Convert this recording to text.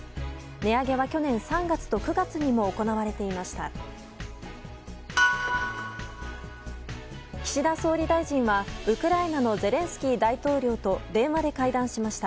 値上げは去年３月と９月にも行われていました。